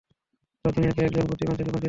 তোমরা দুনিয়াকে একজন বুদ্ধিমান থেকে বঞ্চিত করবে।